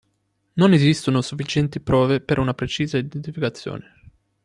Non esistono sufficienti prove per una precisa identificazione.